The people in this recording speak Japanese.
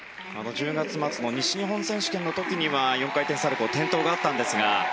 １０月末の西日本選手権では４回転サルコウは転倒があったんですが。